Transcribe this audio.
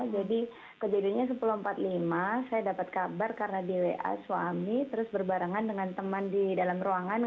jadi kejadiannya sepuluh empat puluh lima saya dapat kabar karena di wa suami terus berbarengan dengan teman di dalam ruangan